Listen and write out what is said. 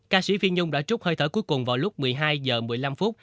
ca sĩ phi nhung đã trút hơi thở cuối cùng vào lúc một mươi hai h một mươi năm